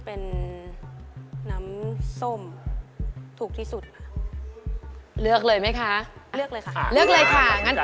บ๊วยบ๊วยบ๊วยครับ